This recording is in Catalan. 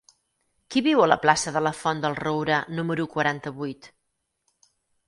Qui viu a la plaça de la Font del Roure número quaranta-vuit?